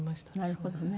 なるほどね。